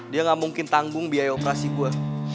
dia ga mungkin tanggung biaya operasi gue